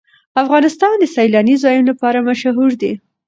افغانستان د سیلانی ځایونه لپاره مشهور دی.